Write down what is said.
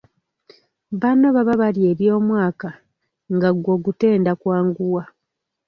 Banno baba balya eby’omwaka, nga ggwe ogutenda kwanguwa.